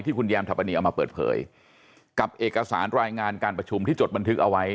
คุณแยมทัพปณีเอามาเปิดเผยกับเอกสารรายงานการประชุมที่จดบันทึกเอาไว้